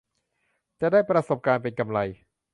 จะได้ประสบการณ์เป็นกำไร